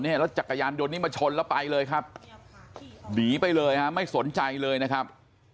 รถจักรยานยนต์นี้มาชนแล้วไปเลยครับหนีไปเลยฮะไม่สนใจเลยนะครับ